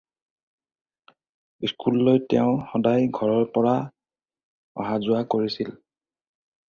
স্কুললৈ তেওঁ সদায় ঘৰৰ পৰাই অহা-যোৱা কৰিছিল।